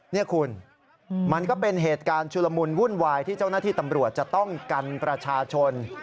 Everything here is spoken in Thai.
นี่คุณมันก็เป็นเหตุการณ์ชุลมุนวุ่นวายที่เจ้าหน้าที่ตำรวจจะต้องกันประชาชน